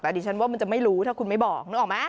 แต่ดิฉันว่ามันจะไม่รู้ถ้าคุณไม่บอกนึกออกไหม